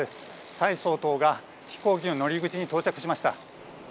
蔡総統が飛行機の乗り口に到着しました。